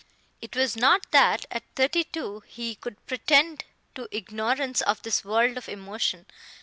It was not that, at thirty two, he could pretend to ignorance of this world of emotion.